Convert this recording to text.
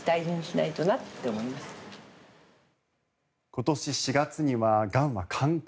今年４月にはがんは寛解。